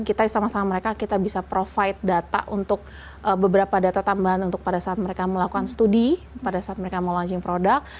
kita sama sama mereka kita bisa provide data untuk beberapa data tambahan untuk pada saat mereka melakukan studi pada saat mereka mau launching product